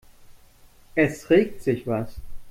Es regt sich was.